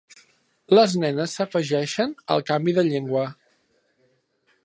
Les nenes s'afegeixen al canvi de llengua.